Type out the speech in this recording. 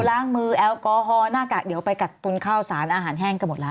ล้างมือแอลกอฮอล์หน้ากากเดี๋ยวไปกักตุนข้าวสารอาหารแห้งกันหมดแล้ว